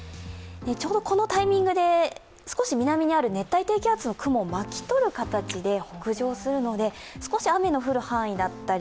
ちょうどこのタイミングで、少し南にある熱帯低気圧の雲を巻き取る形で北上するので、少し雨の降る範囲であったり